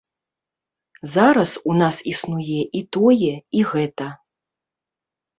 Зараз у нас існуе і тое, і гэта.